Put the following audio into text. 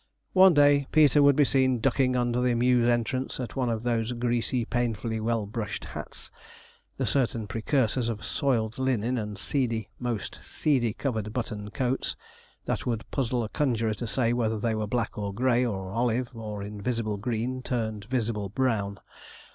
One day Peter would be seen ducking under the mews' entrance in one of those greasy, painfully well brushed hats, the certain precursors of soiled linen and seedy, most seedy covered buttoned coats, that would puzzle a conjuror to say whether they were black, or grey, or olive, or invisible green turned visible brown.